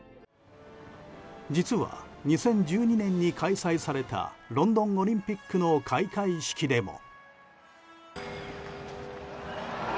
実は２０１２年に開催されたロンドンオリンピックの開会式でも。